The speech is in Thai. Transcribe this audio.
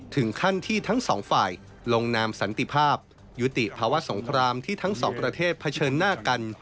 ถึงขั้นที่ทั้งสองฝ่ายลงนามสันติภาพยุติภาวะสงครามที่ทั้งสองประเทศเผชิญหน้ากัน